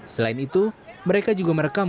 selain itu mereka juga merekam